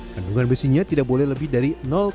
kandungan besinya tidak boleh lebih dari